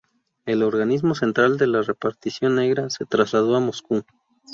El organismo central de la "Repartición Negra" se trasladó a Moscú.